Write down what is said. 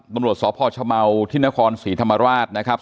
นำบดสอพชมทินกรสีธรรมราชนะครับ